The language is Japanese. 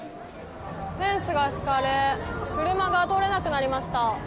フェンスが敷かれ車が通れなくなりました。